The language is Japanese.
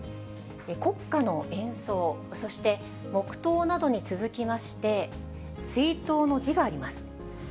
国歌の演奏、そして黙とうなどに続きまして、追悼の辞があります。